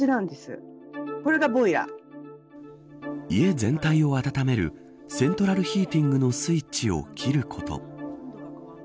家全体を暖めるセントラルヒーティングのスイッチを切ること。